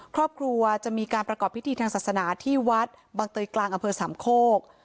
ครอบครัวจะมีการประกอบพิธีทางศาสนาที่วัดบังเตยกลางอำเภอสามโคก